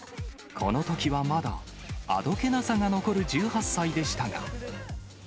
このときはまだ、あどけなさが残る１８歳でしたが。